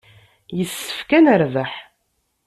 Yessefk ad nerbeḥ.